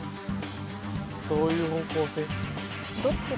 どういう方向性？